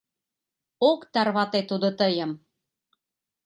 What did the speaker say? Ок тарвате тудо тыйым;